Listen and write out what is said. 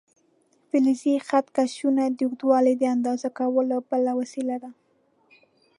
فلزي خط کشونه د اوږدوالي د اندازه کولو بله وسیله ده.